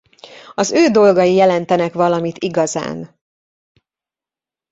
Az ő dolgai jelentenek valamit igazán.